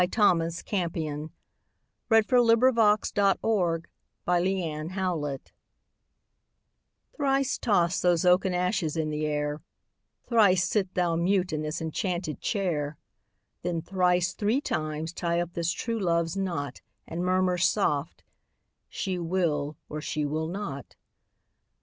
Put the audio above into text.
Thomas Campion Thrice Toss Those Oaken Ashes in the Air THRICE toss those oaken ashes in the air; Thrice sit thou mute in this enchanted chair; Then thrice three times tie up this true love's knot, And murmur soft: "She will, or she will not."